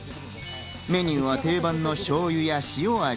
メニューは定番のしょうゆや塩味。